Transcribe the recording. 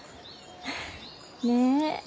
ねえ！